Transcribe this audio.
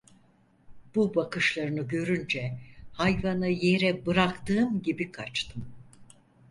Bu bakışlarını görünce, hayvanı yere bıraktığım gibi kaçtım…